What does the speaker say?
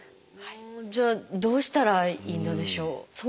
じゃあどうしたらいいのでしょう？